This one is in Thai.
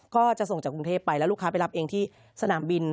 ก็จะส่งจากกรุงเทพไปแล้วลูกค้าไปรับเองที่สนามบิน